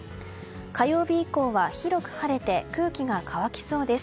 火曜日以降は広く晴れて空気が乾きそうです。